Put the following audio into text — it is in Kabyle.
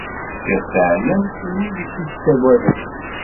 Tefkiḍ taɛellamt i wid i k-ittaggaden.